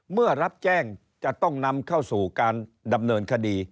เมื่อรับแจ้งจะต้องนำเข้าสู่การดำเนินคดี